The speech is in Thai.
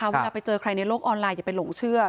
เวลาไปเจอใครในโลกออนไลอย่าไปหลงเชื่อ